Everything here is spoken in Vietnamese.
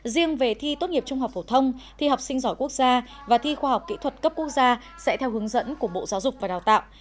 riêng về thi tốt nghiệp trung học phổ thông thi học sinh giỏi quốc gia và thi khoa học kỹ thuật cấp quốc gia sẽ theo hướng dẫn của bộ giáo dục và đào tạo